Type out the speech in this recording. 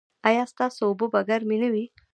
ایا ستاسو اوبه به ګرمې نه وي؟